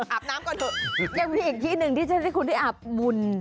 อาบน้ำก่อนแต่ยังมีอีกที่หนึ่งที่จะได้เข้าด้วยอาบมุน